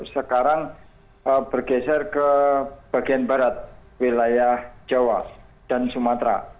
sekarang bergeser ke bagian barat wilayah jawa dan sumatera